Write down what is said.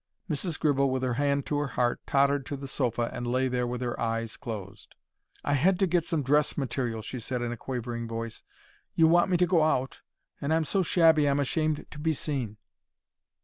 Mrs. Gribble, with her hand to her heart, tottered to the sofa and lay there with her eyes closed. "I had to get some dress material," she said, in a quavering voice. "You want me to go out, and I'm so shabby I'm ashamed to be seen."